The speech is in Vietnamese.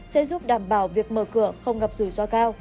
sẽ giúp đảm bảo việc mở cửa không gặp rủi ro cao